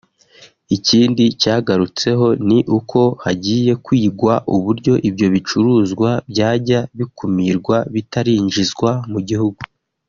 Ikindi cyagarutseho ni uko hagiye kwigwa uburyo ibyo bicuruzwa byajya bikumirwa bitarinjizwa mu gihugu